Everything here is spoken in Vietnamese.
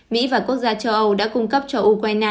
mỹ và quốc gia châu âu đã cung cấp cho ukraine